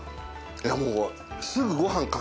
いやもう。